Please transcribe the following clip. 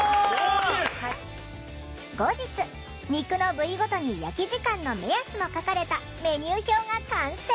後日肉の部位ごとに焼き時間の目安も書かれたメニュー表が完成。